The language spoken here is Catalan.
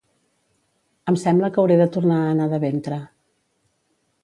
Em sembla que hauré de tornar a anar de ventre